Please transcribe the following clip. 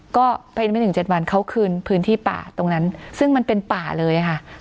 ก็ภายในไม่ถึง๗วันเขาคืนพื้นที่ป่าตรงนั้นซึ่งมันเป็นป่าเลยค่ะ